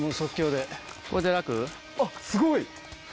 あっすごい！